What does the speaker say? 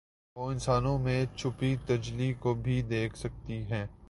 وہ انسانوں میں چھپی تجلی کو بھی دیکھ سکتی ہیں